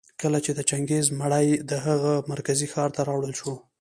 کله چي د چنګېز مړى د هغه مرکزي ښار ته راوړل شو